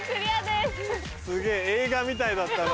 すげぇ映画みたいだったな。